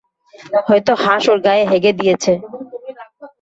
হয়তো হাঁস ওর গায়ে হেগে দিয়েছে।